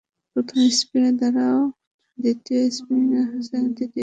প্রথম স্লিপে দাঁড়ালেন আথারটন, দ্বিতীয় স্লিপে পন্টিং, হুসেইন দাঁড়ালেন তৃতীয় স্লিপে।